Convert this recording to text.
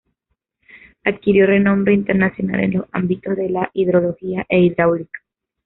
Adquirió renombre internacional en los ámbitos de la hidrología e hidráulica.